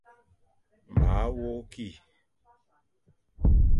Maa wok ki.